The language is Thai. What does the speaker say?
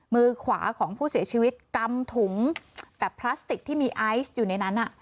มือขวาของผู้เสียชีวิตกำถุงแต่พลาสติกที่มีไอซ์อยู่ในนั้น